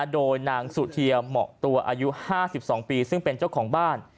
โดยนางสุเทียเหมาะตัวอายุ๕๒ปีซึ่งเป็นเจ้าของบ้าน